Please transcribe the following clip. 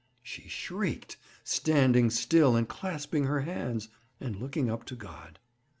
She shrieked, standing still and clasping her hands, and looking up to God.